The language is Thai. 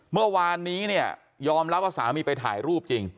เมื่อวานนี้เนี่ยยอมรับว่าสามีไปถ่ายรูปจริง